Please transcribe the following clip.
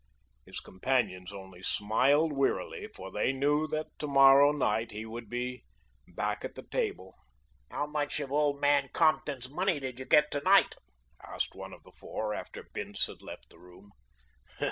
His companions only smiled wearily, for they knew that to morrow night he would be back at the table. "How much of old man Compton's money did you get tonight?" asked one of the four after Bince had left the room.